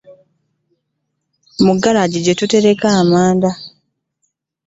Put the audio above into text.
Mu galagi jetutereka Amanda .